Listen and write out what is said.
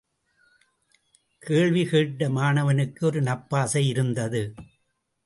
கேள்விகேட்ட மாணவனுக்கு ஒரு நப்பாசையிருந்தது.